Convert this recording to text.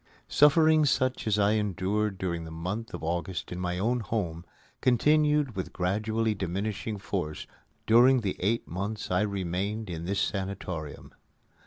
Suffering such as I endured during the month of August in my own home continued with gradually diminishing force during the eight months I remained in this sanatorium.